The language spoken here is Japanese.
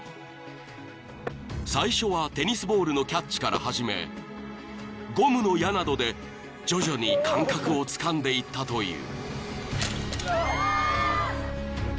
［最初はテニスボールのキャッチから始めゴムの矢などで徐々に感覚をつかんでいったという］